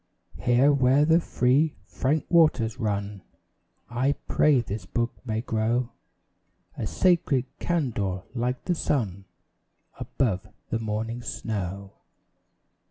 Here where the free, frank waters run, I pray this book may grow A sacred candour like the sun Above the morning snow.